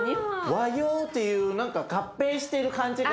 和洋っていう何か合併してる感じが。